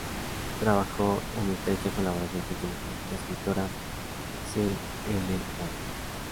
Trabajó en estrecha colaboración con su mujer, la escritora C. L. Moore.